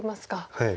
はい。